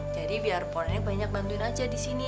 jadi biar po nenek banyak bantuin aja di sini